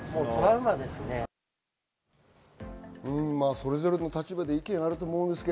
それぞれの立場で意見があると思います。